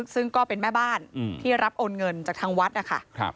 ซึ่งก็เป็นแม่บ้านที่รับโอนเงินจากทางวัดนะคะ